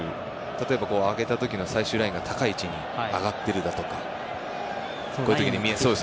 例えば、上げた時に最終ラインが高い位置に上がっているだとか。